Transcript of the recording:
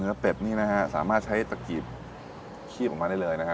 เป็ดนี่นะฮะสามารถใช้ตะกีบคีบออกมาได้เลยนะฮะ